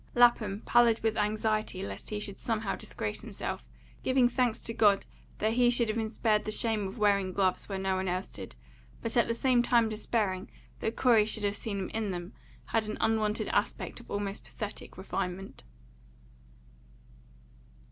Lapham, pallid with anxiety lest he should somehow disgrace himself, giving thanks to God that he should have been spared the shame of wearing gloves where no one else did, but at the same time despairing that Corey should have seen him in them, had an unwonted aspect of almost pathetic refinement.